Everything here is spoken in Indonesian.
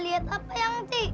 lihat apa yang